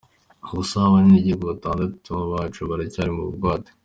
Gusa abenegihugu batandatu bacu baracyari mu bugwate.